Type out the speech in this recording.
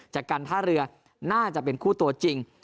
จากการท่าเรือน่าจะเป็นคู่ตัวจริง